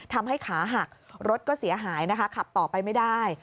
ทำให้ขาหักรถก็เสียหายนะคะขับต่อไปไม่ได้